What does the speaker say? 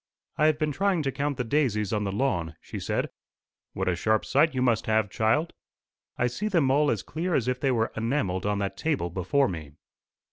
"I have been trying to count the daisies on the lawn," she said. "What a sharp sight you must have, child!" "I see them all as clear as if they were enamelled on that table before me."